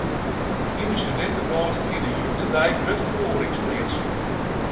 Yn de studintewrâld fine hjoed-de-dei grutte feroarings pleats.